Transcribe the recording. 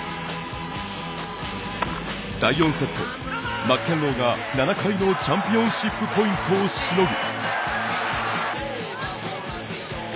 第４セット、マッケンローが７回のチャンピオンシップポイントをしのぐ。